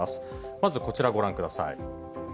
まずこちらご覧ください。